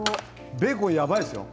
ベーコンやばいですよ